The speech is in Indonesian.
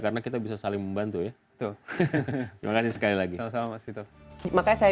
karena kita bisa saling membantu ya